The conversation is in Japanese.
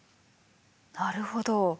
なるほど。